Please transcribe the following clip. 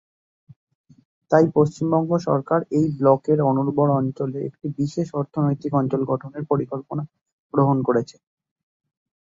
তাই পশ্চিমবঙ্গ সরকার এই ব্লকের অনুর্বর অঞ্চলে একটি বিশেষ অর্থনৈতিক অঞ্চল গঠনের পরিকল্পনা গ্রহণ করেছে।